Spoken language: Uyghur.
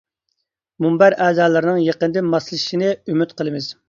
مۇنبەر ئەزالىرىنىڭ يېقىندىن ماسلىشىشىنى ئۈمىد قىلىمىز!